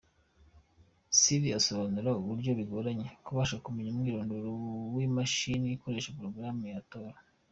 Cylir asobanura uburyo bigoranye kubasha kumenya umwirondoro w'imashini ikoresha porogaramu ya Tor.